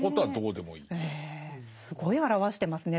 すごい表してますね